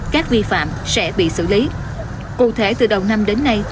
các vi phạm sẽ bị xử lý cụ thể từ đầu năm đến nay